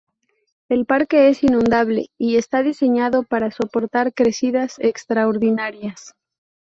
El parque es inundable y está diseñado para soportar crecidas extraordinarias.